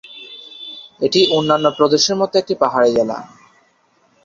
এটি অন্যান্য প্রদেশের মত একটি পাহাড়ি জেলা।